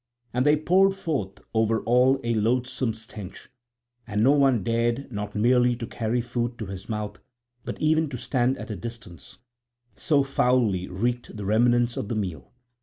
And they poured forth over all a loathsome stench; and no one dared not merely to carry food to his mouth but even to stand at a distance; so foully reeked the remnants of the meal.